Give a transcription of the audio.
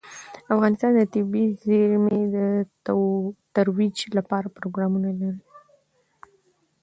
افغانستان د طبیعي زیرمې د ترویج لپاره پروګرامونه لري.